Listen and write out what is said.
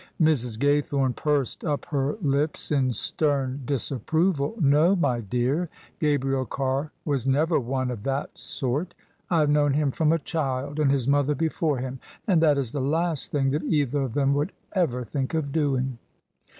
Mrs. Gaythome pursed up her lips in stern disapproval. "No, my dear; Gabriel Carr was never one of that sort. I have known him from a child, and his mother before him, and that is the last thing that either of them would ever think of doing."